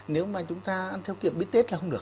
nếu mà chúng ta ăn theo kiệp bí tết là không được